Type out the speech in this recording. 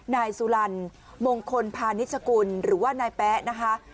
นายสุลันมงคลพาณิชกุลหรือว่านายแป๊ะนะคะ